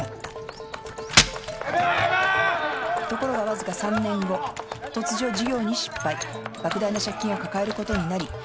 ところがわずか３年後突如事業に失敗ばく大な借金を抱えることになり会社は倒産。